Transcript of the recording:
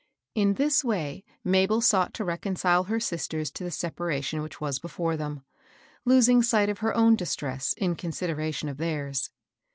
In this way, Mabel sought to reconcile her sis; ters to the separation which was before them, los ing sight of her own distress in consideration of theirs.